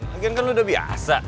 lagian kan udah biasa